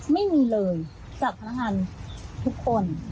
ไม่มีเลยจากพนักงานทุกคน